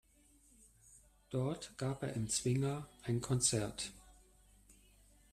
Dort gab er im Zwinger ein Konzert.